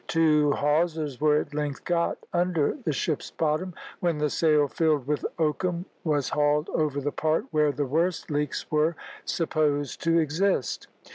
Two hawsers were at length got under the ship's bottom, when the sail filled with oakum was hauled over the part where the worst leaks were supposed to exist.